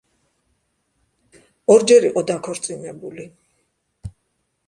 ორჯერ იყო დაქორწინებული.